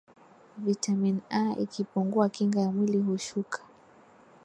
vitamin A ikipungua kinga ya mwili hushuka